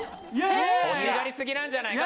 欲しがりすぎなんじゃないか？